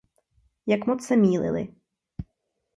Jak moc se mýlili!